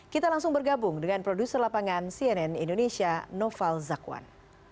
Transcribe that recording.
kita langsung bergabung dengan produser lapangan cnn indonesia noval zakwan